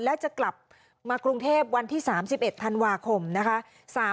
และจะกลับมากรุงเทพวันที่๓๑ธันวาคมนะคะ